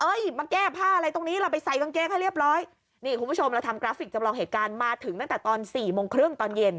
มาแก้ผ้าอะไรตรงนี้เราไปใส่กางเกงให้เรียบร้อยนี่คุณผู้ชมเราทำกราฟิกจำลองเหตุการณ์มาถึงตั้งแต่ตอนสี่โมงครึ่งตอนเย็น